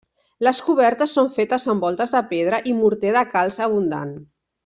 Les cobertes són fetes amb voltes de pedra i morter de calç abundant.